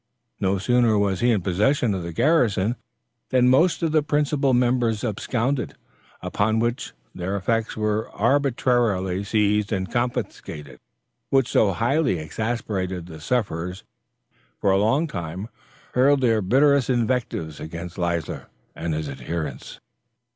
No sooner was he in possession of the garrison, than most of the principal members absconded, upon which, their effects were arbitrarily seized and confiscated, which so highly exasperated the sufferers, that their posterity, for a long time, hurled their bitterest invectives against Leisler and his adherents.